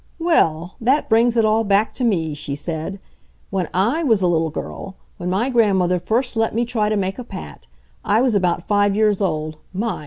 "Well, that brings it all back to me!" she said "when I was a little girl, when my grandmother first let me try to make a pat. I was about five years old—my!